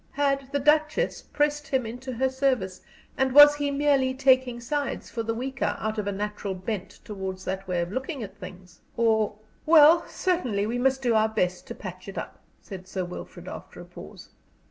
Had the Duchess pressed him into her service, and was he merely taking sides for the weaker out of a natural bent towards that way of looking at things? Or "Well, certainly we must do our best to patch it up," said Sir Wilfrid, after a pause.